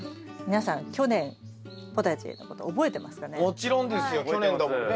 もちろんですよ去年だもんね。